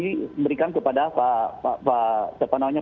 ini diberikan kepada pak bela umar